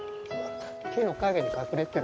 木の陰に隠れてる。